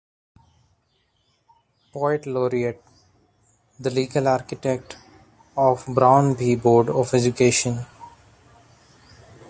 Poet Laureate, the legal architect of "Brown v Board of Education".